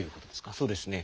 そうですね。